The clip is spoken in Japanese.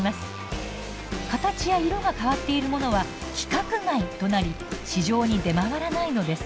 形や色が変わっているものは「規格外」となり市場に出回らないのです。